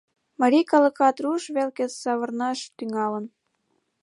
Марий калыкат руш велке савырнаш тӱҥалын.